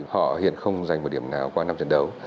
họ hiện không giành một điểm nào qua năm trận đấu